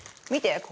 見て。